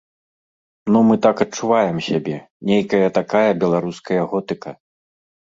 Ну, мы так адчуваем сябе, нейкая такая беларуская готыка.